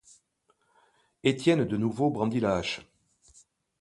Étienne de nouveau brandit la hache.